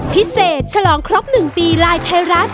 ฉลองครบ๑ปีไลน์ไทยรัฐ